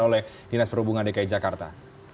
oleh dinas perhubungan dki jakarta